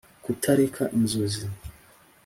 kutareka inzozi.